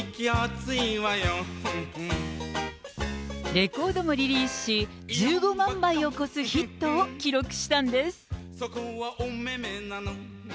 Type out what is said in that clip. レコードもリリースし、１５万枚を超すヒットを記録したんです。